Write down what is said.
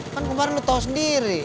kan kemarin lo tau sendiri